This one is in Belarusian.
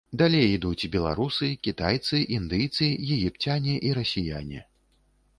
Далей ідуць беларусы, кітайцы, індыйцы, егіпцяне і расіяне.